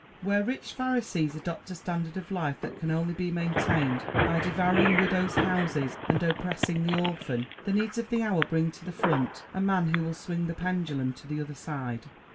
Where rich Pharisees adopt a standard of life that can only be maintained by devouring widows' houses and oppressing the orphan, the needs of the hour bring to the front a man who will swing the pendulum to the other side.